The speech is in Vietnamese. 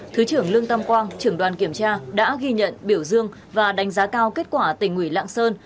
thứ trưởng lương tam quang trưởng đoàn kiểm tra đã ghi nhận biểu dương và đánh giá cao kết quả tỉnh ủy lạng sơn